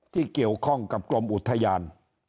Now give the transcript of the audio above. ที่เกี่ยวข้องกับกรมอุทยาน